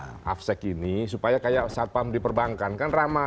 di afsek ini supaya kayak saat pam diperbankan kan ramah